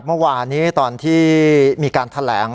เมื่อวานนี้ตอนที่มีการแถลง